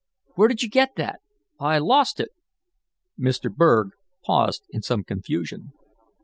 Where did you get that. I lost it " Mr. Berg paused in some confusion.